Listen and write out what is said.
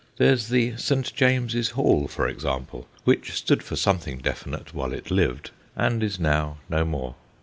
There's the St. James's Hall, for example, which stood for something definite while it lived, and is now no more.